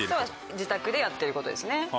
自宅でやってることですね。